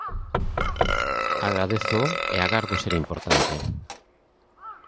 Agradézoo e agardo ser importante.